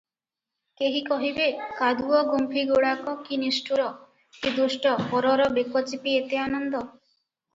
କେହି କହିବେ, କାଦୁଅଗୁମ୍ଫିଗୁଡ଼ାକ କି ନିଷ୍ଠୁର, କି ଦୁଷ୍ଟ, ପରର ବେକ ଚିପି ଏତେ ଆନନ୍ଦ!